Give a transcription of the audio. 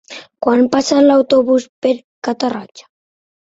Quan passa l'autobús per Catarroja?